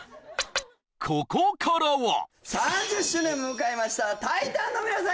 ここからは３０周年迎えましたタイタンの皆さん